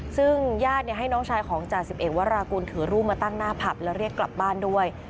ซึ่งญาติให้น้องชายของจ่าสิบเอกวรากุลถือรูปมาตั้งหน้าผับแล้วเรียกกลับบ้านด้วย